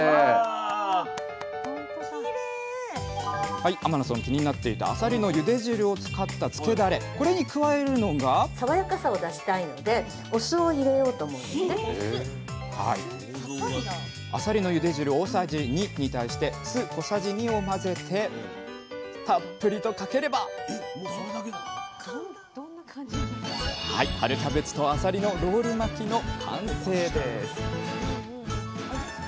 はい天野さん気になっていたあさりのゆで汁を使ったつけだれこれに加えるのがあさりのゆで汁大さじ２に対して酢小さじ２を混ぜてたっぷりとかければ春キャベツとあさりのロール巻きの完成です！